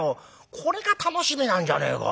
これが楽しみなんじゃねえか。